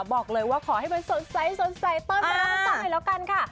บอกเลยว่าขอให้มันสนใสสนใสตอนแม่ลูกสุดฤทธิ์แล้วกันค่ะ